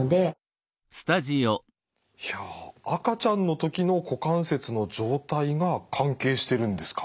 いや赤ちゃんの時の股関節の状態が関係してるんですか。